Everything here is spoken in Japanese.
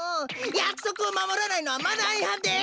やくそくをまもらないのはマナーいはんです！